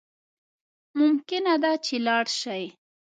ممکنه ده چی لاړ شی